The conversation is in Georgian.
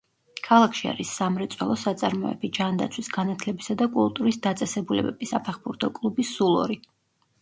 ქალაქში არის სამრეწველო საწარმოები, ჯანდაცვის, განათლებისა და კულტურის დაწესებულებები, საფეხბურთო კლუბი სულორი.